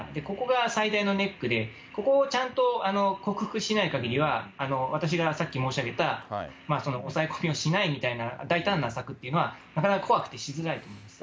ここが最大のネックで、ここをちゃんと克服しないかぎりは、私がさっき申し上げた、抑え込みをしないみたいな、大胆な策というのは、なかなか怖くてしづらいです。